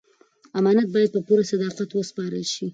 امانت باید په پوره صداقت وسپارل شي.